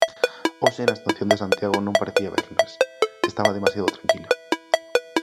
Hoxe na estación de Santiago non parecía venres, estaba demasiado tranquila.